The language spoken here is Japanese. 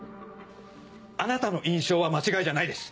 あなたの印象は間違いじゃないです。